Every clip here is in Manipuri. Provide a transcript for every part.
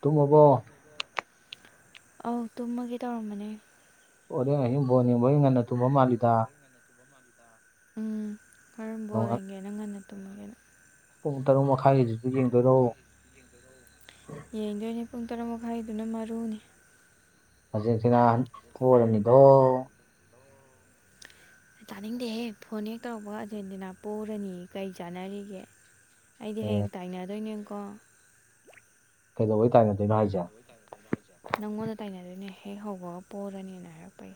ꯇꯨꯝꯃꯕꯣ ꯑꯧ ꯇꯨꯝꯃꯒꯦ ꯇꯧꯔꯝꯕꯅꯦ ꯍꯣꯔꯦꯟ ꯑꯍꯤꯡ ꯕꯣꯟ ꯌꯦꯡꯕꯒꯤ ꯉꯟꯅ ꯇꯨꯝꯕ ꯃꯥꯜꯂꯤꯗ ꯍꯣꯔꯦꯟ ꯕꯣꯜ ꯌꯦꯡꯒꯦꯅ ꯉꯟꯅ ꯇꯨꯝꯃꯒꯦꯅ ꯄꯨꯡ ꯇꯔꯨꯛ ꯃꯈꯥꯏꯒꯤꯗꯨꯖꯨ ꯌꯦꯡꯗꯣꯏꯔꯣ ꯌꯦꯡꯗꯣꯏꯅꯦ ꯄꯨꯡ ꯇꯔꯨꯛ ꯃꯈꯥꯏꯗꯨꯅ ꯃꯔꯨꯅꯦ ꯑꯔꯖꯦꯟꯇꯤꯅꯥ ꯄꯣꯔꯅꯤꯗꯣ ꯇꯥꯅꯤꯡꯗꯦꯍꯦ ꯐꯣꯟ ꯍꯦꯛ ꯇꯧꯔꯛꯄꯒ ꯑꯔꯖꯦꯟꯇꯤꯅꯥ ꯄꯣꯔꯅꯤ ꯀꯩ ꯆꯥꯟꯅꯔꯤꯒꯦ ꯑꯩꯗꯤ ꯍꯌꯦꯡ ꯇꯥꯏꯅꯗꯣꯏꯅꯤ ꯌꯦꯡꯀꯣ ꯀꯩꯗꯧꯕꯩ ꯇꯥꯏꯅꯗꯣꯏꯅꯣ ꯍꯥꯏꯖꯦ ꯅꯪꯉꯣꯟꯗ ꯇꯥꯏꯅꯗꯣꯏꯅꯦ ꯍꯦꯛ ꯍꯧꯕꯒ ꯄꯣꯔꯅꯤꯅ ꯍꯥꯏꯔꯛꯄꯩ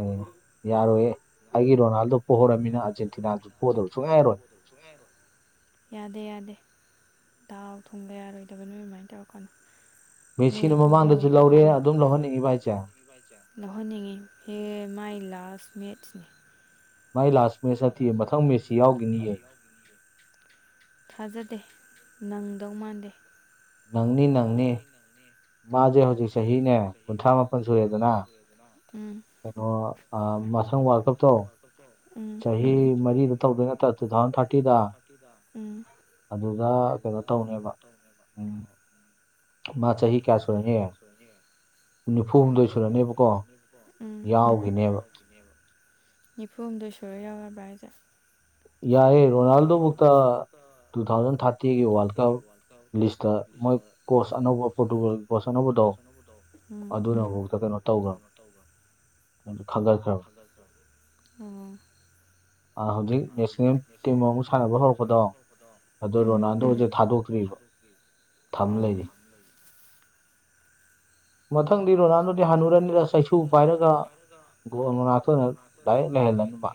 ꯑꯣ ꯌꯥꯔꯣꯏꯌꯦ ꯑꯩꯒꯤ ꯔꯣꯅꯥꯜꯗꯣ ꯄꯣꯔꯝꯃꯤꯅ ꯑꯥꯔꯖꯦꯟꯇꯤꯅꯥꯖꯨ ꯄꯣꯗꯕ ꯁꯨꯡꯌꯥ ꯌꯥꯔꯣꯏ ꯌꯥꯗꯦ ꯌꯥꯗꯦ ꯗꯥꯎ ꯊꯨꯝꯒ ꯌꯥꯔꯣꯏꯗꯕ ꯅꯣꯏ ꯑꯃꯥꯏꯟ ꯇꯧꯔꯛꯀꯅꯣ ꯃꯦꯁꯤꯅ ꯃꯃꯥꯡꯗꯖꯨ ꯂꯧꯔꯦ ꯑꯗꯨꯝ ꯂꯧꯍꯟꯅꯤꯡꯉꯤꯕ ꯍꯥꯏꯖꯦ ꯂꯧꯍꯟꯅꯤꯡꯉꯦ ꯑꯦ ꯃꯥꯏ ꯂꯥꯁ ꯃꯦꯠꯁꯅꯦ ꯃꯥꯏ ꯂꯥꯁ ꯃꯦꯁ ꯅꯠꯇꯤꯌꯦ ꯃꯊꯪ ꯃꯦꯁꯤ ꯌꯥꯎꯒꯤꯅꯤꯌꯦ ꯊꯥꯖꯗꯦ ꯅꯪꯗꯧ ꯃꯥꯟꯗꯦ ꯅꯪꯅꯤ ꯅꯪꯅꯤ ꯃꯥꯖꯦ ꯍꯧꯖꯤꯛ ꯆꯍꯤꯅꯦ ꯀꯨꯟꯊ꯭ꯔꯥ ꯃꯥꯄꯟ ꯁꯨꯨꯔꯦꯗꯅ ꯎꯝ ꯀꯩꯅꯣ ꯑꯥ ꯃꯁꯪ ꯋꯥꯜꯀꯞ ꯇꯣ ꯆꯍꯤ ꯃꯔꯤꯗ ꯇꯧꯗꯣꯏ ꯅꯠꯇ꯭ꯔꯥ ꯇꯨ ꯊꯥꯎꯖꯟ ꯊꯥꯔꯇꯤꯗ ꯎꯝ ꯑꯗꯨꯗ ꯀꯩꯅꯣ ꯇꯧꯅꯦꯕ ꯎꯝ ꯃꯥꯆꯦ ꯀꯌꯥ ꯁꯨꯔꯅꯤ ꯅꯤꯐꯨ ꯍꯨꯝꯗꯣꯏ ꯁꯨꯔꯅꯦꯕꯀꯣ ꯌꯥꯎꯒꯤꯅꯦꯕ ꯅꯤꯐꯨ ꯍꯨꯝꯗꯣꯏ ꯁꯨꯔ ꯌꯥꯎ ꯌꯥꯕ꯭ꯔꯥ ꯍꯥꯏꯖꯦ ꯌꯥꯏꯌꯦ ꯔꯣꯅꯥꯜꯗꯣ ꯕꯨꯛꯇ ꯇꯨ ꯊꯥꯎꯖꯟ ꯊꯥꯔꯇꯤꯒꯤ ꯋꯥꯜ ꯀꯞ ꯂꯤꯁꯇ ꯃꯣꯏ ꯀꯣꯁ ꯑꯅꯧꯕ ꯄꯣꯔꯇꯨꯒꯜ ꯀꯣꯁ ꯑꯅꯧꯕꯗꯣ ꯑꯗꯨꯅꯕꯥꯎꯗ ꯀꯩꯅꯣ ꯇꯧꯒ꯭ꯔꯝ ꯈꯒꯠꯈ꯭ꯔꯝ ꯑꯥ ꯍꯧꯖꯤꯛ ꯅꯦꯁꯅꯦꯜ ꯇꯤꯝ ꯑꯃꯨꯛ ꯁꯥꯟꯅꯕ ꯍꯧꯔꯛꯄꯗꯣ ꯑꯗꯣ ꯔꯣꯅꯥꯜꯗꯣꯖꯦ ꯊꯥꯗꯣꯛꯇ꯭ꯔꯤꯕ ꯊꯝ ꯂꯩꯔꯤ ꯃꯊꯪꯗꯤ ꯔꯣꯅꯥꯜꯗꯣꯗꯤ ꯍꯅꯨꯔꯅꯤꯗ ꯆꯩꯁꯨ ꯄꯥꯏꯔꯒ ꯒꯣꯜ ꯃꯅꯥꯛꯇ ꯑꯣꯏꯅ ꯗꯥꯏꯔꯦꯛ ꯂꯩꯍꯜꯂꯅꯤ ꯃꯥ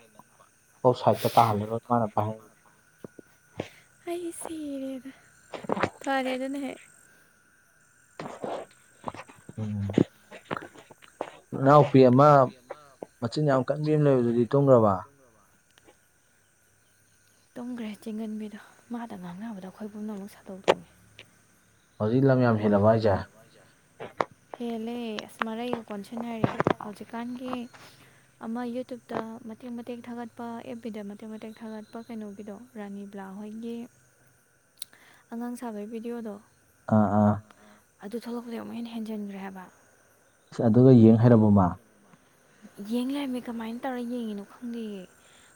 ꯑꯣꯞꯁꯥꯏꯠꯇ ꯇꯥꯍꯜꯂꯔꯣꯏ ꯃꯥꯅ ꯄꯥꯏꯍꯟ ꯑꯩ ꯁꯤꯔꯦꯗ ꯐꯔꯦ ꯑꯗꯨꯅ ꯍꯦꯛ [inaudible] ꯅꯅꯥꯎꯄꯤ ꯑꯃꯥ ꯃꯆꯤꯟ ꯌꯥꯝ ꯀꯟꯕꯤ ꯑꯝ ꯂꯩꯕꯗꯨꯗꯤ ꯇꯨꯝꯒ꯭ꯔꯕꯥ ꯇꯨꯝꯒ꯭ꯔꯦ ꯆꯤꯟꯒꯟꯕꯤꯗꯣ ꯃꯥꯗ ꯉꯥꯡꯅꯕꯗ ꯑꯩꯈꯣꯏ ꯄꯨꯝꯅꯃꯛ ꯁꯥꯗꯧ ꯊꯨꯡꯉꯦ ꯍꯧꯖꯤꯛ ꯂꯝ ꯌꯥꯝ ꯍꯦꯜꯂꯕꯣ ꯍꯥꯏꯖꯦ ꯍꯦꯜꯂꯦ ꯑꯁ ꯃꯔꯩꯒ ꯀꯣꯟꯁꯤꯟꯅꯔꯦ ꯍꯧꯖꯤꯛꯀꯥꯟꯒꯤ ꯑꯃꯥ ꯌꯨꯇꯨꯞꯇ ꯃꯇꯦꯛ ꯃꯇꯦꯛ ꯊꯥꯒꯠꯄ ꯑꯦꯞꯕꯤꯗ ꯃꯇꯦꯛ ꯃꯇꯦꯛ ꯊꯥꯒꯠꯄ ꯀꯩꯅꯣꯒꯤꯗꯣ ꯔꯥꯅꯤꯕ꯭ꯂꯥ ꯍꯣꯏꯒꯤ ꯑꯉꯥꯡ ꯁꯥꯕꯩ ꯚꯤꯗꯤꯑꯣꯗꯣ ꯑꯥ ꯑꯥ ꯑꯗꯨ ꯊꯣꯛꯂꯛꯄꯗꯩ ꯑꯃꯨꯛ ꯍꯦꯟꯅ ꯍꯦꯟꯖꯟꯒ꯭ꯔꯦ ꯍꯥꯏꯕ ꯏꯁ ꯑꯗꯨꯒ ꯌꯦꯡ ꯍꯩꯔꯕꯣ ꯃꯥ ꯌꯦꯡ ꯂꯩꯔꯝꯃꯦ ꯀꯃꯥꯏꯟ ꯇꯧꯔ ꯌꯦꯡꯉꯤꯅꯣ ꯈꯪꯗꯦꯌꯦ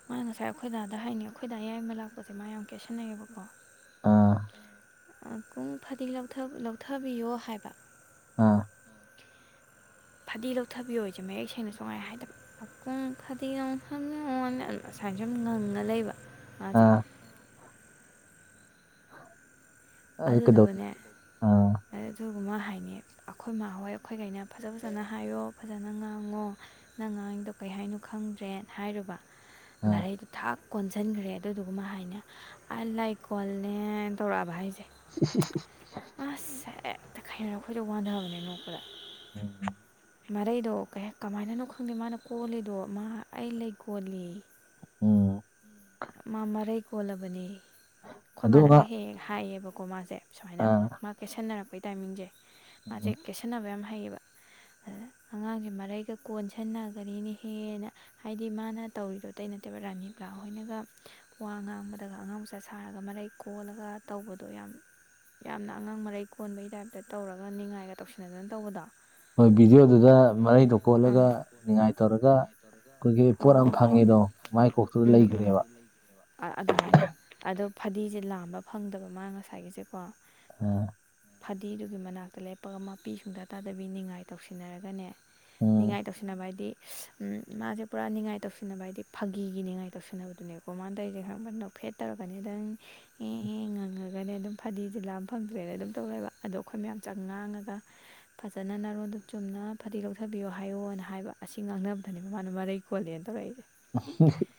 ꯃꯥꯅ ꯉꯁꯥꯏ ꯑꯈꯣꯏꯗꯥꯗ ꯍꯥꯏꯅꯤ ꯑꯈꯣꯏꯗꯥ ꯌꯥꯏꯃ ꯂꯥꯛꯄꯁꯦ ꯃꯥ ꯌꯥꯝ ꯀꯦꯁꯟꯅꯩꯕꯀꯣ ꯑꯀꯨꯡ ꯐꯥꯗꯤ ꯂꯧꯊ ꯂꯧꯊꯕꯤꯌꯣ ꯍꯥꯏꯕ ꯑꯥ ꯐꯗꯤ ꯂꯧꯊꯕꯤꯌꯣ ꯁꯦ ꯃꯌꯦꯛ ꯁꯦꯡꯅ ꯁꯨꯛꯍꯥꯏ ꯍꯥꯏꯗꯕ ꯑꯀꯪ ꯐꯗꯤ ꯂꯧꯊꯕꯤꯌꯣ ꯑꯅ ꯁꯥꯏꯅ ꯁꯨꯝ ꯉꯪꯉ ꯂꯩꯕ ꯃꯥꯖꯦ ꯑꯗꯨꯗꯨꯒꯅꯦ ꯑꯗꯨꯗꯨꯒ ꯃꯥ ꯍꯥꯏꯅꯦ ꯑꯈꯣꯏ ꯃꯥꯍꯣꯏ ꯑꯈꯣꯏꯒꯩꯅ ꯐꯖ ꯐꯖꯅ ꯍꯥꯏꯌꯣ ꯐꯖꯅ ꯉꯥꯡꯉꯣ ꯅꯪ ꯉꯥꯡꯏꯗꯣ ꯀꯩ ꯍꯥꯏꯅꯣ ꯈꯪꯗ꯭ꯔꯦꯅ ꯍꯥꯏꯔꯨꯕ ꯅꯔꯩꯗꯨ ꯊꯥꯛ ꯀꯣꯟꯁꯟꯈ꯭ꯔꯦ ꯑꯗꯨꯗꯨꯒ ꯃꯥ ꯍꯥꯏꯅꯦ ꯑ ꯂꯩ ꯀꯣꯜꯂꯦꯅ ꯇꯧꯔꯛꯑꯕ ꯍꯥꯏꯁꯦ [unintelligible] ꯑꯁ ꯍꯦꯛꯇ ꯀꯩꯅꯣꯅꯦ ꯑꯈꯣꯏꯁꯦ ꯋꯥꯟꯗꯕꯅꯦ ꯅꯣꯛꯄꯗ [unintelligible] ꯃꯔꯩꯗꯣ ꯀꯩꯍꯥꯏ ꯀꯃꯥꯏꯅꯅꯣ ꯈꯪꯗꯦ ꯃꯥꯅ ꯀꯣꯜꯂꯤꯗꯣ ꯃꯥ ꯑꯩ ꯂꯩ ꯀꯣꯜꯂꯦꯌꯦ ꯎꯡ ꯃꯥ ꯃꯔꯩ ꯀꯣꯜꯂꯕꯅꯦꯌꯦ ꯈꯣꯏ ꯃꯥꯅꯒ ꯍꯦꯛ ꯍꯦꯛ ꯍꯥꯏꯌꯦꯕꯀꯣ ꯃꯥꯁꯦ ꯁꯨꯃꯥꯏꯅ ꯃꯥ ꯀꯦꯁꯟꯅꯔꯛꯄꯒꯤ ꯇꯥꯏꯃꯤꯡꯁꯦ ꯃꯥꯁꯦ ꯀꯦꯁꯟꯅꯕ ꯌꯥꯝ ꯍꯩꯌꯦꯕ ꯑꯗ ꯑꯉꯥꯡꯁꯦ ꯃꯔꯩꯒ ꯀꯣꯟꯁꯟꯅꯒꯔꯦꯅꯦꯍꯦ ꯅ ꯍꯥꯏꯗꯤ ꯃꯥꯅ ꯇꯧꯔꯤꯗꯣ ꯑꯇꯩ ꯅꯠꯇꯦꯕ ꯔꯥꯅꯤ ꯕ꯭ꯂꯥ ꯊꯋꯣꯏꯅꯒ ꯋꯥ ꯉꯥꯡꯕꯗꯒ ꯑꯉꯥꯡ ꯃꯆꯥ ꯁꯥꯔꯒ ꯃꯔꯩ ꯀꯣꯜꯂꯒ ꯇꯧꯕꯗꯣ ꯌꯥꯝ ꯌꯥꯝꯅ ꯑꯉꯥꯡ ꯃꯔꯩ ꯀꯣꯟꯕꯒꯤ ꯇꯥꯏꯞꯇ ꯇꯧꯔꯒ ꯅꯤꯡꯉꯥꯏꯒ ꯇꯧꯁꯤꯟꯅꯗꯅ ꯇꯧꯕꯗꯣ ꯍꯣꯏ ꯚꯤꯗꯤꯑꯣꯗꯨꯗ ꯃꯔꯩꯗꯣ ꯀꯣꯜꯂꯒ ꯅꯤꯉꯥꯏ ꯇꯧꯔꯒ ꯑꯈꯣꯏꯒꯤ ꯄꯣꯠ ꯑꯃ ꯐꯪꯉꯦꯗꯣ ꯃꯥꯏ ꯀꯣꯛꯇꯨꯗ ꯂꯩꯒ꯭ꯔꯦꯕ ꯑ-ꯑꯗꯨꯃꯥꯏꯅ ꯑꯗꯣ ꯐꯗꯤꯁꯦ ꯂꯥꯝꯕ ꯐꯪꯗꯕ ꯃꯥ ꯉꯁꯥꯏꯒꯤꯁꯦꯀꯣ ꯑ ꯐꯗꯤꯗꯨꯒꯤ ꯃꯅꯥꯛꯇ ꯂꯦꯞꯄꯒ ꯃꯄꯤ ꯁꯨꯡꯇꯥ ꯇꯥꯗꯕꯤ ꯅꯤꯡꯉꯥꯏ ꯇꯧꯁꯤꯟꯅꯔꯒꯅꯦ ꯅꯤꯡꯉꯥꯏ ꯇꯧꯁꯤꯟꯅꯕ ꯍꯥꯏꯗꯤ [unintelligible] ꯎꯝ ꯃꯥꯁꯦ ꯄꯨꯔꯥ ꯅꯤꯉꯥꯏ ꯇꯧꯁꯤꯟꯅꯕ ꯍꯥꯏꯗꯤ ꯐꯥꯒꯤꯒꯤ ꯅꯤꯉꯥꯏ ꯇꯧꯁꯤꯟꯅꯕꯗꯨꯅꯦꯀꯣ ꯃꯥꯅ ꯇꯧꯔꯤꯁꯦ ꯈꯪꯉꯕ ꯅꯣꯛꯐꯦꯠ ꯇꯧꯔꯛꯀꯅꯤ ꯗꯪ ꯍꯦ ꯍꯦ ꯉꯪꯉꯒꯅꯦ ꯑꯗꯨꯝ ꯐꯗꯤꯁꯦ ꯂꯥꯝ ꯐꯪꯗ꯭ꯔꯦꯅ ꯑꯗꯨꯝ ꯇꯧꯂꯩꯕ ꯑꯗꯣ ꯑꯈꯣꯏ ꯃꯌꯥꯝ ꯆꯪ ꯉꯥꯡꯉꯒ ꯐꯖꯅ ꯅꯔꯣꯟꯗꯨ ꯆꯨꯝꯅ ꯐꯗꯤ ꯂꯧꯊꯕꯤꯌꯣ ꯍꯥꯏꯌꯣꯅ ꯍꯥꯏꯕ ꯑꯁꯤ ꯉꯥꯡꯅꯕ ꯇꯅꯦ ꯃꯃꯥꯅ ꯃꯔꯩ ꯀꯣꯜꯂꯦꯅ ꯇꯧꯔꯛꯏꯁꯦ [unintelligible]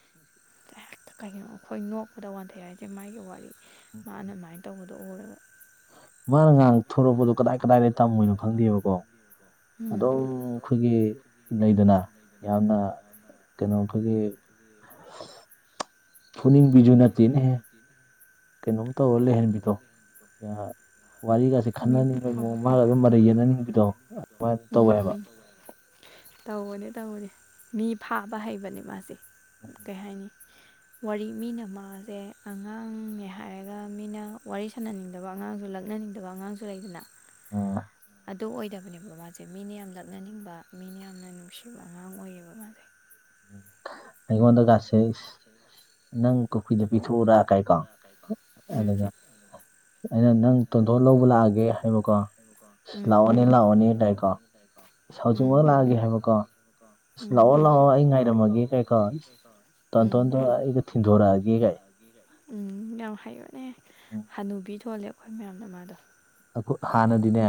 ꯍꯦꯛꯇ ꯀꯩꯅꯣ ꯑꯈꯣꯏ ꯅꯣꯛꯄꯗ ꯋꯥꯟꯊꯩ ꯍꯥꯏꯁꯦ ꯃꯥꯒꯤ ꯋꯥꯔꯤ ꯃꯥꯅ ꯑꯗꯨꯃꯥꯏꯅ ꯇꯧꯕ [unintelligible] ꯃꯥꯅ ꯉꯥꯡ ꯊꯣꯔꯛꯄꯗꯣ ꯀꯗꯥꯏ ꯀꯗꯥꯏꯗꯩ ꯇꯝꯃꯨꯏꯅꯣ ꯈꯪꯗꯦꯕꯀꯣ ꯑꯗꯨꯝ ꯑꯈꯣꯏꯒꯤ ꯂꯩꯗꯅ ꯌꯥꯝꯅ ꯀꯩꯅꯣ ꯈꯣꯏꯒꯤ ꯐꯨꯅꯤꯡ ꯄꯤꯖꯨ ꯅꯠꯇꯦꯅꯦꯍꯦ ꯀꯩꯅꯣꯝ ꯇꯧꯔ ꯂꯩꯍꯟꯕꯤꯗꯣ [unintelligible] ꯋꯥꯔꯤꯒꯁꯦ ꯈꯟꯅꯅꯤꯡꯕꯩ ꯃꯑꯣꯡ ꯃꯥꯜ ꯗꯨꯝ ꯃꯔꯩ ꯌꯦꯠꯅ ꯅꯤꯡꯕꯤꯗꯣ ꯎꯝ ꯎꯝ ꯇꯧꯕꯅꯦ ꯇꯧꯕꯅꯤ ꯃꯤ ꯐꯥꯕ ꯍꯩꯕꯅꯦ ꯃꯥꯁꯦ ꯀꯩ ꯍꯥꯏꯅꯤ ꯋꯥꯔꯤ ꯃꯤꯅ ꯃꯥꯁꯦ ꯑꯉꯥꯡꯅꯦ ꯍꯥꯏꯔꯒ ꯃꯤꯅ ꯋꯥꯔꯤ ꯁꯥꯟꯅꯅꯤꯡꯗꯕ ꯑꯉꯥꯡꯁꯨ ꯂꯛꯅꯅꯤꯡ ꯗꯕ ꯑꯉꯥꯡꯁꯨ ꯂꯩꯗꯅ ꯑꯥ ꯑꯗꯨ ꯑꯣꯏꯗꯕꯅꯦꯕ ꯃꯥꯁꯦ ꯃꯤꯅ ꯌꯥꯝ ꯂꯛꯅꯅꯤꯡꯕ ꯃꯤꯅ ꯌꯥꯝꯅ ꯅꯨꯡꯁꯤꯕ ꯑꯉꯥꯡ ꯑꯣꯏꯌꯦꯕ ꯃꯥꯁꯦ ꯑꯩꯉꯣꯟꯗꯒꯥꯁꯦ ꯅꯪ ꯀꯨꯀꯤꯗ ꯄꯤꯊꯣꯛꯎꯔꯥ ꯀꯥꯏꯀꯣ ꯑꯗꯨꯒ ꯑꯩꯅ ꯅꯪ ꯇꯣꯟꯇꯣꯟ ꯂꯧꯕ ꯂꯥꯛꯑꯒꯦ ꯍꯥꯏꯕꯀꯣ [unintelligible] ꯂꯥꯛꯑꯣꯅꯤ ꯑꯩ ꯂꯥꯛꯑꯣꯅꯦ ꯗꯥꯏꯀꯣ ꯍꯧꯖꯤꯛꯃꯛ ꯂꯥꯛꯑꯒꯦ ꯍꯥꯏꯕ ꯀꯣ ꯂꯥꯛꯑꯣ ꯂꯥꯛꯑꯣ ꯑꯩ ꯉꯥꯏ ꯂꯩꯔꯝꯃꯒꯦ ꯀꯩꯀꯣ ꯇꯣꯟꯇꯣꯟꯗꯣ ꯑꯩꯒ ꯊꯤꯟꯗꯣꯔꯛꯑꯒꯦ ꯀꯥꯏ ꯌꯥꯝ ꯍꯩꯕꯅꯦ ꯍꯅꯨꯕꯤ ꯊꯣꯜꯂꯦ ꯑꯩꯈꯣꯏ ꯃꯌꯥꯝꯅ ꯃꯥꯗꯣ ꯑꯩꯈ ꯍꯥꯟꯅꯗꯤꯅꯦ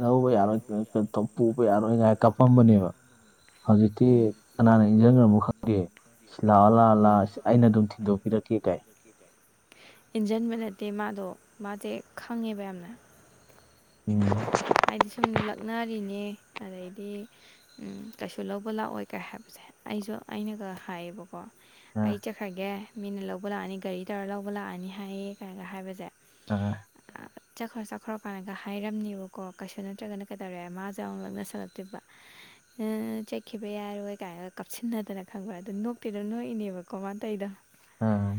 ꯂꯧꯕ ꯌꯥꯔꯣꯏꯣ ꯇꯣꯝꯄꯨ ꯥ ꯌꯥꯔꯣꯏꯀꯥꯏ ꯀꯥꯄꯝꯕꯅꯦꯕ ꯍꯧꯖꯤꯛꯇꯤ ꯀꯅꯥꯅ ꯏꯟꯁꯤꯟꯈ꯭ꯔꯅꯣ ꯈꯪꯗꯦ ꯂꯥꯛꯑꯣ ꯂꯥꯛꯑꯣ ꯂꯥꯛꯑꯣ ꯑꯩꯅ ꯑꯗꯨꯝ ꯊꯤꯟꯗꯣꯛꯄꯤꯔꯛꯀꯦ ꯀꯥꯏ ꯏꯟꯖꯤꯟꯕ ꯅꯠꯇꯦ ꯃꯥꯗꯣ ꯃꯥꯁꯦ ꯈꯪꯉꯦꯕ ꯌꯥꯝꯅ [unintelligible] ꯍꯥꯏꯗꯤ ꯁꯨꯝ ꯂꯛꯅꯔꯤꯅꯦ ꯑꯗꯩꯗꯤ ꯎꯝ ꯀꯩꯁꯨ ꯂꯧꯕ ꯂꯥꯛꯑꯣꯏ ꯀꯥꯏ ꯍꯥꯏꯕꯁꯦ ꯑꯩꯁꯨ ꯑꯩꯅꯒ ꯍꯥꯏꯌꯦꯕꯀꯣ ꯑꯩ ꯆꯠꯈ꯭ꯔꯒꯦ ꯃꯤꯅ ꯂꯧꯕ ꯂꯥꯛꯑꯅꯤ ꯒꯥꯔꯤ ꯇꯧꯔ ꯂꯧꯕ ꯂꯥꯛꯑꯅꯤ ꯍꯥꯏꯌꯦ ꯀꯥꯏꯒ ꯍꯥꯏꯕꯁꯦ ꯑꯥ ꯆꯠꯈ꯭ꯔꯣ ꯆꯠꯈ꯭ꯔꯣ ꯀꯥꯏꯅꯒ ꯍꯥꯏꯔꯝꯅꯦꯕꯀꯣ ꯀꯩꯁꯨ ꯅꯠꯇ꯭ꯔꯒꯅ ꯀꯩꯗꯧꯔꯦ ꯃꯥꯁꯦ ꯑꯃꯨꯛ ꯂꯛꯅꯁꯜꯂꯛꯇꯣꯏꯕ ꯎꯪ ꯆꯠꯈꯤꯕ ꯌꯥꯔꯣꯏ ꯀꯥꯏꯒ ꯀꯥꯞꯁꯤꯟꯅꯗꯅ ꯈꯪꯕ ꯑꯗꯨ ꯅꯣꯛꯇꯤꯗꯨꯝ ꯅꯣꯛꯏꯅꯦꯕꯀꯣ ꯃꯇꯩꯏꯗꯣ ꯑꯥ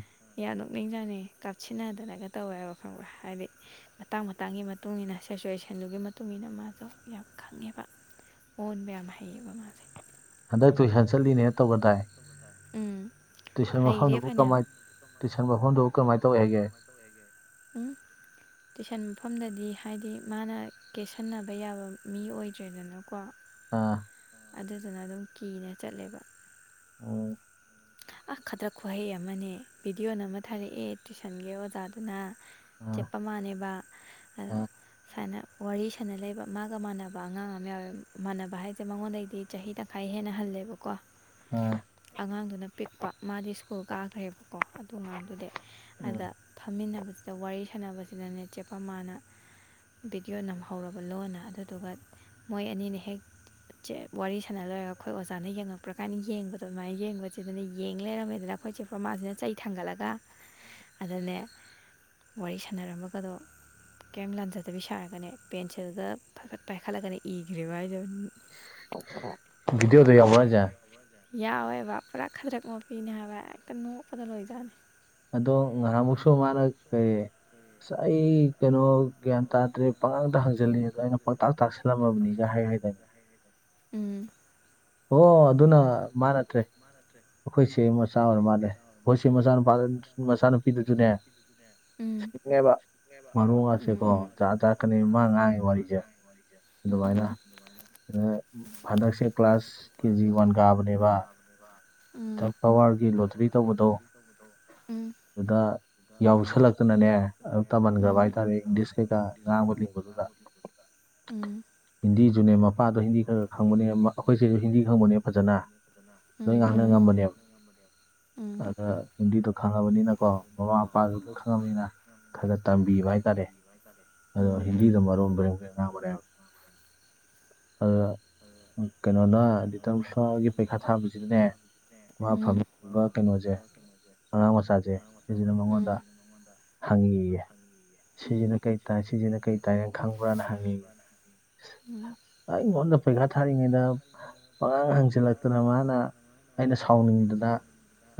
ꯌꯥꯝ ꯅꯣꯛꯅꯤꯡ ꯖꯥꯅꯤ ꯀꯥꯞꯁꯤꯟꯅꯗꯅꯒ ꯇꯧꯋꯦꯕ ꯈꯪꯕ꯭ꯔꯥ ꯍꯥꯏꯗꯤ ꯃꯇꯥꯡ ꯃꯇꯥꯡꯒꯤ ꯃꯇꯨꯡ ꯏꯟꯅ ꯁꯦꯆꯨꯋꯦꯁꯟꯗꯨꯒꯤ ꯃꯇꯨꯡ ꯏꯟꯅ ꯃꯥꯗꯣ ꯌꯥꯝ ꯈꯪꯉꯦꯕ ꯑꯣꯟꯕ ꯌꯥꯝ ꯍꯩꯌꯦꯕ ꯃꯥꯁꯦ ꯍꯟꯗꯛ ꯇꯨꯏꯁꯟ ꯆꯠꯂꯤꯅꯦꯅ ꯇꯧꯕ ꯇꯥꯏ ꯇꯨꯏꯁꯟ ꯃꯐꯝꯗꯨꯕꯨ ꯀꯃꯥꯏ ꯇꯨꯏꯁꯟ ꯃꯐꯝꯗꯨꯕꯨ ꯀꯃꯥꯏꯟ ꯇꯧꯋꯦ ꯍꯥꯏꯒꯦ ꯎꯝ ꯇꯨꯏꯁꯟ ꯃꯐꯝꯗꯗꯤ ꯍꯥꯏꯗꯤ ꯃꯥꯅ ꯀꯦꯁꯟꯅꯕ ꯌꯥꯕ ꯃꯤ ꯑꯣꯏꯗ꯭ꯔꯦꯗꯅꯀꯣ ꯑꯥ ꯑꯗꯨꯗꯨꯅ ꯑꯗꯨꯝ ꯀꯤꯅ ꯆꯠꯂꯦꯕ ꯎꯝ ꯑ ꯈꯗ꯭ꯔꯛ ꯈꯨꯍꯩ ꯑꯃꯅꯦ ꯚꯤꯗꯤꯑꯣ ꯅꯝꯃ ꯊꯥꯔꯛꯦ ꯇꯨꯏꯁꯟꯒꯤ ꯑꯣꯖꯥꯗꯨꯅ ꯆꯦꯞꯄ ꯃꯥꯥꯟꯅꯦꯕ ꯑꯗꯣ ꯁꯨꯃꯥꯏꯅ ꯋꯥꯔꯤ ꯁꯅ ꯂꯩꯕ ꯃꯥꯒ ꯃꯥꯟꯅꯕ ꯑꯉꯥꯡ ꯑꯃ ꯌꯥꯎꯋꯦ ꯃꯥꯟꯅꯕ ꯍꯥꯏꯁꯦ ꯃꯉꯣꯟꯗꯒꯤꯗꯤ ꯆꯍꯤ ꯇꯡ ꯈꯥꯏ ꯍꯦꯟꯅ ꯍꯜꯂꯦꯕꯀꯣ ꯎꯝ ꯑꯉꯥꯡꯗꯨꯅ ꯄꯤꯛꯄ ꯃꯥꯗꯤ ꯁ꯭ꯀꯨꯜ ꯀꯥꯈ꯭ꯔꯦꯕꯀꯣ ꯑꯗꯨꯉꯥꯡꯗꯨꯗꯤ ꯑꯗ ꯐꯝꯃꯤꯟꯅꯕꯁꯤꯗ ꯋꯥꯔꯤ ꯁꯥꯟꯅꯕꯁꯤꯗꯅꯦ ꯆꯦ ꯄꯃꯥꯅ ꯚꯤꯗꯤꯑꯣ ꯅꯝꯍꯧꯔꯕ ꯂꯣꯟꯅ ꯑꯗꯨꯗꯨꯒ ꯃꯣꯏ ꯑꯅꯤꯅ ꯍꯦꯛ ꯁꯦ ꯋꯥꯔꯤ ꯁꯥꯟꯅ ꯂꯣꯏꯔꯒ ꯑꯩꯈꯣꯏ ꯑꯣꯖꯥꯅ ꯌꯦꯡꯉꯛꯄ꯭ꯔ ꯀꯥꯟꯅ ꯌꯦꯡꯕꯗꯣ ꯑꯗꯨꯃꯥꯏꯅ ꯌꯦꯡꯕꯁꯦ ꯁꯤꯗꯅ ꯌꯦꯡ ꯂꯩꯔꯝꯃꯦꯗꯅ ꯑꯩꯈꯣꯏꯆꯦ ꯄꯝꯃꯥꯁꯤꯅ ꯆꯩ ꯊꯥꯡꯒꯠꯂꯒ ꯑꯗꯨꯅꯦ ꯋꯥꯔꯤ ꯁꯥꯟꯅꯔꯝꯃꯒꯗꯣ ꯀꯩꯝ ꯂꯥꯟꯖꯗꯕꯤ ꯁꯥꯔꯒꯅꯦ ꯄꯦꯟꯁꯤꯜꯒ ꯐꯐꯠ ꯄꯥꯏꯈꯠꯂꯒꯅꯦ ꯏꯈ꯭ꯔꯤꯕ ꯃꯥꯏ ꯗꯤꯑꯣꯗ ꯌꯥꯎꯕꯔ ꯍꯥꯏꯖꯦ ꯌꯥꯎꯋꯦꯕ ꯄꯨꯔꯥ ꯈꯗ꯭ꯔꯤ ꯃꯄꯤꯅꯦ ꯍꯥꯏꯕ ꯍꯦꯛꯇ ꯅꯣꯛꯄꯗ ꯂꯣꯏꯖꯥꯠꯅꯤ ꯑꯗꯣ ꯅꯍꯥꯡꯃꯨꯛꯁꯨ ꯃꯥꯅ ꯀꯩ ꯑꯁ ꯑꯩ ꯀꯩꯅꯣ ꯒ꯭ꯌꯥꯟ ꯇꯥꯗ꯭ꯔꯦ ꯄꯪꯉꯥꯡꯗ ꯍꯪꯖꯤꯜꯂꯤ ꯑꯗꯣ ꯑꯩꯅ ꯄꯪꯇꯥꯛ ꯇꯥꯛꯁꯤꯜꯂꯝꯃꯕꯅꯤꯒ ꯍꯥꯏ ꯍꯥꯏꯗꯥꯏꯅꯦ ꯎꯝ ꯍꯣ ꯑꯗꯨꯅ ꯃꯥ ꯅꯠꯇ꯭ꯔꯦ ꯑꯈꯣꯏꯁꯦ ꯃꯆꯥ ꯑꯣꯏꯔꯥ ꯃꯥꯜꯂꯦ ꯑꯈꯣꯏꯁꯦ ꯃꯆꯥꯅꯨꯄꯥ ꯃꯆꯥꯅꯨꯄꯤꯗꯨꯖꯨꯅꯦ ꯁꯤꯡꯉꯦꯕ ꯃꯔꯣꯟꯒꯁꯦꯀꯣ ꯖꯥꯠ ꯖꯥꯠ ꯀꯥꯅꯤ ꯃꯥꯅ ꯉꯥꯡꯉꯤ ꯋꯥꯔꯤꯖꯦ ꯑꯗꯨꯃꯥꯏꯅ ꯑꯥ ꯍꯟꯗꯛꯁꯦ ꯀ꯭ꯂꯥꯁ ꯀꯦꯖꯤ ꯋꯥꯟ ꯀꯥꯕꯅꯦꯕ [unintelligible] ꯐ꯭ꯜꯋꯥꯔꯒꯤ ꯂꯣꯇ꯭ꯔꯤ ꯇꯧꯕꯗꯣ ꯑꯗꯨꯗ ꯌꯥꯎꯁꯜꯂꯛ ꯇꯥꯅꯅꯦ ꯑꯗꯨꯝ ꯇꯝꯍꯟꯒ꯭ꯔꯥꯕ ꯍꯥꯏꯇꯥꯔꯦ ꯏꯪꯂꯤꯁ ꯀꯩꯀꯥ ꯉꯥꯡꯕ ꯂꯤꯡꯕꯗꯨꯗ ꯎꯝ ꯍꯤꯟꯗꯤꯖꯨꯅꯦ ꯃꯄꯥꯗꯣ ꯍꯤꯟꯗꯤ ꯈꯔ ꯈꯔ ꯈꯪꯕꯅꯦ ꯃꯥ ꯑꯈꯣꯏꯆꯦꯖꯨ ꯍꯤꯟꯗꯤ ꯈꯪꯕꯅꯦ ꯐꯖꯅ ꯂꯣꯏ ꯉꯥꯡꯅ ꯉꯝꯕꯅꯦꯕ [unintelligible] ꯑꯥ ꯍꯤꯟꯗꯤꯗꯣ ꯈꯪꯉꯕꯅꯤꯅꯀꯣ ꯃꯃꯥ ꯃꯄꯥꯖꯨ ꯂꯣꯏ ꯈꯪꯉꯕꯅꯤꯅ ꯈꯔꯒꯥ ꯇꯝꯕꯤꯕ ꯍꯥꯏ ꯇꯔꯦ ꯑꯗꯣ ꯍꯤꯟꯗꯤꯗꯣ ꯃꯔꯣꯝ ꯕꯦꯔꯦꯡ ꯕꯦꯔꯦꯡ ꯉꯥꯡꯕꯅꯦ ꯍꯥꯕ ꯑꯗꯨꯗ ꯀꯩꯅꯣꯅ ꯗꯤꯇꯝ ꯐ꯭ꯂꯥꯔꯒꯤ ꯄꯩꯈꯥ ꯊꯥꯕꯖꯤꯗꯅꯦ ꯃꯥ ꯐꯝ ꯒꯥ ꯀꯩꯅꯣꯖꯦ ꯑꯉꯥꯡ ꯃꯆꯥꯖꯦ ꯁꯤꯖꯤꯅ ꯃꯉꯣꯟꯗ ꯍꯪꯉꯤꯌꯦ ꯁꯤꯖꯤꯅ ꯀꯩ ꯇꯥꯏ ꯁꯤꯖꯤꯅ ꯀꯩ ꯇꯥꯏ ꯅꯪ ꯈꯪꯕ꯭ꯔꯥꯅ ꯍꯪꯉꯤ ꯑꯩꯉꯣꯟꯗ ꯄꯩꯈꯥ ꯊꯥꯔꯤꯉꯩꯗ ꯄꯍꯥꯡ ꯍꯪꯖꯤꯜꯂꯛꯇꯅ ꯃꯥꯅ ꯑꯩꯅ ꯁꯥꯎꯅꯤꯡꯗꯅ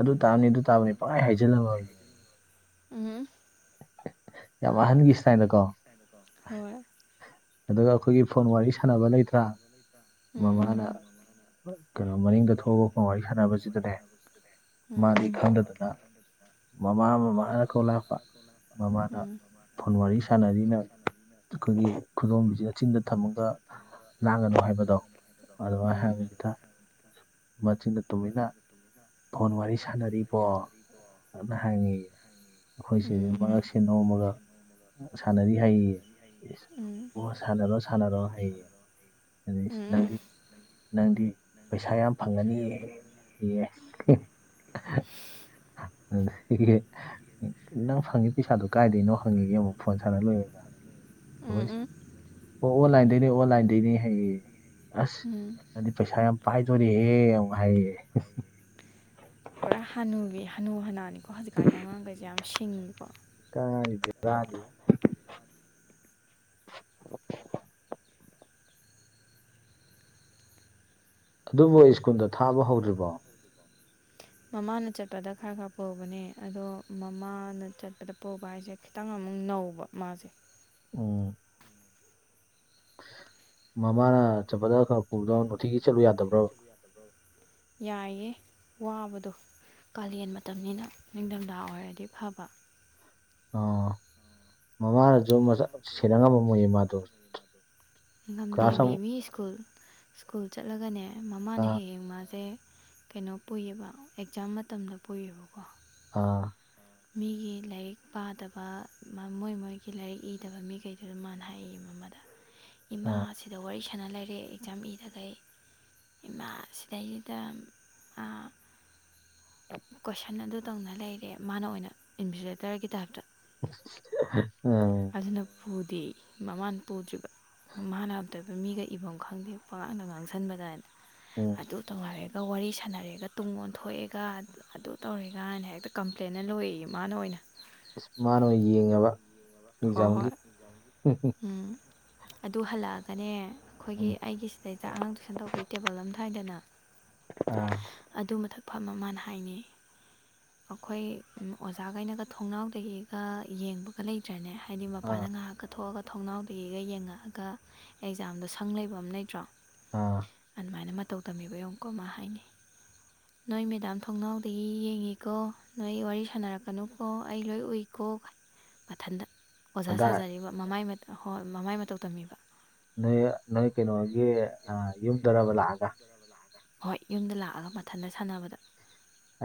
ꯑꯗꯨ ꯇꯥꯝꯅꯤ ꯑꯗꯨ ꯥꯇꯕꯅꯤ ꯄꯪꯍꯥꯏ ꯍꯥꯏꯖꯤꯜꯂꯝꯃꯕꯅꯤ ꯎꯝ ꯎꯝ ꯌꯥꯝ ꯑꯥꯍꯟꯒꯤ ꯁ꯭ꯇꯥꯏꯟꯗꯀꯣ ꯍꯣꯏ ꯑꯗꯨꯒ ꯑꯈꯣꯏꯒꯤ ꯐꯣꯟ ꯋꯥꯔꯤ ꯁꯥꯟꯅꯕ ꯂꯩꯇ꯭ꯔꯥ ꯃꯃꯥꯅ ꯀꯩꯅꯣ ꯃꯅꯤꯡꯗ ꯊꯣꯛꯑꯣ ꯐꯣꯟ ꯋꯥꯔꯤ ꯁꯥꯟꯅꯕꯖꯤꯗꯅꯦ ꯃꯥꯗꯤ ꯈꯪꯗꯗꯅ ꯃꯃꯥ ꯃꯃꯥ ꯍꯥꯏꯅ ꯀꯧꯔꯂꯥꯛꯄ ꯃꯃꯥꯅ ꯐꯣꯟ ꯋꯥꯔꯤ ꯁꯥꯟꯅꯔꯤꯅ ꯑꯩꯈꯣꯏꯒꯤ ꯈꯨꯗꯣꯝꯕꯤꯖꯤꯅ ꯆꯤꯟꯗ ꯊꯝꯃꯒ ꯂꯥꯡꯒꯅꯨ ꯍꯥꯏꯕꯗꯣ ꯑꯗꯨꯃꯥꯏꯅ ꯍꯥꯏꯕꯖꯤꯗ ꯃꯆꯤꯟꯗ ꯇꯨꯃꯤꯟꯅ ꯐꯣꯟ ꯋꯥꯔꯤ ꯁꯥꯟꯅꯔꯤ ꯄꯣ [unintelligible] ꯅ ꯍꯪꯉꯦꯌꯦ ꯑꯈꯣꯏ ꯆꯦꯖꯤꯅ ꯃꯉꯥꯛꯁꯦ ꯅꯣꯝꯃꯒ ꯁꯥꯟꯅꯔꯤ ꯍꯥꯏꯌꯦ ꯏꯁ ꯑꯣ ꯁꯥꯟꯅꯔꯣ ꯁꯥꯟꯅꯔꯣ ꯍꯥꯏꯌꯦ ꯑꯗ ꯏꯁ ꯅꯪꯗꯤ ꯄꯩꯁꯥ ꯌꯥꯝ ꯐꯪꯉꯅꯤꯌꯦ [unintelligible] ꯑꯗꯨꯅ ꯅꯪ ꯐꯪꯉꯤ ꯄꯩꯁꯥꯗꯣ ꯀꯥꯏꯗꯩꯅꯣ ꯍꯪꯉꯦꯌꯦ ꯑꯃꯨꯛ ꯐꯣꯟ ꯁꯥꯟꯅ ꯂꯣꯏꯔꯒ [inaudible] ꯑꯣ ꯑꯣꯟꯂꯥꯏꯟ ꯗꯩꯅꯦ ꯑꯣꯟꯂꯥꯏꯟꯗꯩꯅꯦ [unintelligible] ꯑꯁ ꯅꯪꯗꯤ ꯄꯩꯁꯥ ꯌꯥꯝ ꯄꯥꯏꯗꯣꯔꯦꯍꯦ ꯑꯃꯨꯛ ꯍꯥꯏꯔꯦꯌꯦ ꯄꯨꯔꯥ ꯍꯥꯅꯨꯕꯤ ꯍꯥꯅꯨ ꯍꯅꯥꯅꯤꯀꯣ ꯍꯧꯖꯤꯛ ꯀꯥꯟꯒꯤ ꯑꯉꯥꯡꯒꯩꯖꯦ ꯌꯥꯝ ꯁꯤꯡꯉꯤꯀꯣ ꯀꯥꯏꯗꯦ ꯌꯥꯗꯤ ꯑꯗꯨꯕꯨ ꯁ꯭ꯀꯨꯜꯗ ꯊꯥꯕ ꯍꯧꯗ꯭ꯔꯤꯕꯣ ꯃꯃꯥꯅ ꯆꯠꯄꯗ ꯈꯔ ꯈꯔ ꯄꯨꯕꯅꯦ ꯑꯗꯣ ꯃꯃꯥꯅ ꯆꯠꯄꯗ ꯄꯨꯕ ꯍꯥꯏꯖꯦ ꯈꯤꯇꯪ ꯑꯃꯨꯛ ꯅꯧꯕ ꯃꯥꯖꯦ ꯑꯣ ꯃꯃꯥꯅ ꯆꯞꯄꯗ ꯈꯔꯥ ꯄꯨꯕꯗꯣ ꯅꯨꯡꯇꯤꯒꯤ ꯆꯠꯂꯨ ꯌꯥꯗꯕ꯭ꯔꯥꯕ ꯌꯥꯏꯌꯦ ꯋꯥꯕꯗꯣ ꯀꯥꯂꯦꯟ ꯃꯇꯝꯅꯤꯅ ꯅꯤꯡꯗꯝꯗꯥ ꯑꯣꯏꯔꯗꯤ ꯐꯕ ꯑꯣ ꯃꯃꯥꯅꯖꯨ ꯃꯆ ꯁꯦꯟꯅ ꯉꯝꯃꯝ ꯃꯣꯏꯌꯦ ꯃꯥꯗꯣ ꯉꯝꯗꯦ ꯃꯤ ꯃꯤ ꯁ꯭ꯀꯨꯜ ꯁ꯭ꯀꯨꯜ ꯆꯠꯂꯒꯅꯦ ꯃꯃꯥꯅ ꯍꯦꯛ ꯍꯦꯛ ꯃꯥꯖꯦ ꯀꯩꯅꯣ ꯄꯨꯏꯌꯦꯕ ꯑꯦꯛꯖꯥꯝ ꯃꯇꯝꯗ ꯄꯨꯏꯌꯦꯕꯀꯣ ꯑꯥ ꯃꯤꯒꯤ ꯂꯥꯏꯔꯤꯛ ꯄꯥꯗꯕ ꯃꯥ ꯃꯣꯏ ꯃꯣꯏꯒꯤ ꯂꯥꯏꯔꯤꯛ ꯏꯗꯕ ꯃꯤꯈꯩꯗꯨꯗ ꯃꯥꯅ ꯍꯥꯏꯌꯦ ꯌꯦ ꯃꯃꯥꯗ ꯏꯃꯥꯁꯤꯗ ꯋꯥꯔꯤ ꯁꯥꯟꯅ ꯂꯩꯔꯦ ꯑꯦꯛꯖꯥꯝ ꯏꯗꯒꯩ ꯏꯃꯥ ꯁꯤꯗꯩꯁꯤꯗ ꯑꯥ ꯀꯣꯏꯁꯟ ꯑꯗꯨ ꯇꯧꯅ ꯂꯩꯔꯦ ꯃꯥꯅ ꯑꯣꯏꯅ ꯏꯟꯚꯤꯖꯤꯂꯦꯇꯔꯒꯤ ꯇꯥꯏꯞꯇ [unintelligible] ꯑꯗꯨꯅ ꯄꯨꯗꯦ ꯃꯃꯥꯅ ꯄꯨꯗ꯭ꯔꯤꯕ ꯃꯃꯥꯅ ꯑꯝꯇꯣꯏꯕ ꯃꯤꯒ ꯏꯐꯝ ꯈꯪꯗꯦ ꯃꯥꯅ ꯉꯥꯡꯁꯟꯕꯗ ꯑꯅ ꯑꯣ ꯑꯗꯨ ꯇꯧ ꯍꯥꯏꯔꯦꯒ ꯋꯥꯔꯤ ꯁꯥꯟꯅꯔꯦꯒ ꯇꯨꯡ ꯑꯣꯟꯊꯣꯛꯑꯦꯒ ꯑꯗꯨ ꯇꯧꯔꯦꯒꯅ ꯍꯦꯛꯇ ꯀꯝꯄ꯭ꯂꯦꯟ ꯂꯣꯏꯌꯦ ꯃꯥꯅ ꯑꯣꯏꯅ ꯏꯁ ꯃꯥꯅ ꯑꯣꯏꯅ ꯌꯦꯡꯉꯕ ꯑꯦꯛꯖꯥꯝꯒꯤ ꯎꯝ ꯑꯗꯨ ꯍꯜꯂꯛꯑꯒꯅꯦ ꯑꯩꯈꯣꯏꯒꯤ ꯑꯩꯒꯤ ꯁꯤꯗꯩꯗ ꯑꯉꯥꯡ ꯇꯨꯏꯁꯟ ꯇꯧꯕꯒꯤ ꯇꯦꯕꯜ ꯑꯝ ꯊꯥꯏꯗꯅ [inaudible] ꯑꯗꯨ ꯃꯊꯛ ꯐꯝꯃ ꯃꯥꯅ ꯍꯥꯏꯅꯦ ꯑꯩꯈꯣꯏ ꯎꯝ ꯑꯣꯖꯥꯈꯩꯅꯒ ꯊꯣꯡꯅꯥꯎꯗꯒꯤꯒ ꯌꯦꯡꯕ ꯂꯩꯇ꯭ꯔꯅꯦ ꯍꯥꯏꯗꯤ ꯃꯄꯥꯟꯗ ꯉꯍꯥꯛꯀ ꯊꯣꯛꯑꯒ ꯊꯣꯡꯅꯥꯎꯗꯒꯤꯒ ꯌꯦꯡꯉꯛꯑꯒ ꯑꯦꯛꯖꯥꯝꯗꯣ ꯁꯪ ꯂꯩꯕ ꯑꯃ ꯂꯩꯇ꯭ꯔꯣ ꯑꯥ ꯗꯨꯃꯥꯏꯅ ꯃꯇꯧ ꯇꯝꯃꯤꯕ ꯌꯦꯡꯎꯉꯣ ꯃꯥ ꯍꯏꯅꯦ ꯅꯣꯏ ꯃꯦꯗꯥꯝ ꯊꯣꯡꯅꯥꯎꯗꯒꯤ ꯌꯦꯡꯉꯤꯀꯣ ꯅꯣꯏ ꯋꯥꯔꯤ ꯁꯥꯟꯅꯔꯛꯀꯅꯨꯀꯣ ꯑꯩ ꯂꯣꯏ ꯎꯏꯀꯣ ꯀ ꯃꯊꯟꯇ ꯑꯣꯖꯥ ꯁꯥꯖꯔꯤꯕ ꯃꯃꯥꯏ ꯃꯠ ꯍꯣꯏ ꯃꯃꯥꯏ ꯃꯇꯧ ꯇꯝꯃꯤꯕ ꯅꯣꯏ ꯅꯣꯏ ꯀꯩꯅꯣꯒꯤ ꯑꯥ ꯌꯨꯝꯗꯔꯕ ꯂꯥꯛꯑꯒ ꯍꯣꯏ ꯌꯨꯝꯗ ꯂꯥꯛꯑꯒ ꯃꯊꯟꯇ ꯁꯥꯟꯅꯕꯗ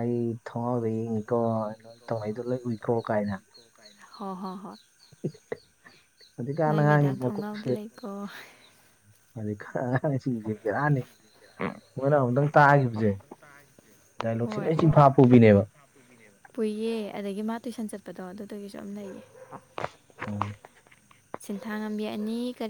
ꯑꯩ ꯊꯣꯡꯅꯥꯎꯗꯒꯤ ꯎꯨꯏꯀꯣ ꯅꯣꯏ ꯇꯧꯅꯩꯗꯣ ꯂꯣꯏ ꯎꯨꯏꯀꯣ ꯀꯥꯏꯅ ꯍꯣ ꯍꯣ ꯍꯣꯏ ꯍꯧꯖꯤꯛꯀꯥꯟ ꯑꯉꯥꯡ ꯃꯀꯣꯛꯁꯤ ꯀꯣ ꯍꯧꯖꯤꯛꯀꯥꯟ ꯑꯉꯥꯡꯁꯤꯡꯁꯦ ꯕꯦꯔꯥꯅꯤ ꯃꯣꯏꯅ ꯑꯃꯨꯛꯇꯪ ꯇꯥꯒꯤꯕꯖꯦ ꯍꯣꯏ ꯄꯨꯏꯌꯦ ꯑꯗꯒꯤ ꯃꯥ ꯇꯨꯏꯁꯟ ꯆꯠꯄꯗꯣ ꯑꯗꯨꯗꯨꯒꯤꯁꯨ ꯑꯝ ꯂꯩꯌꯦ [inaudible] [inaudible] ꯁꯤꯟꯊꯥ ꯉꯝꯕꯤ ꯑꯅꯤ ꯀꯔꯤ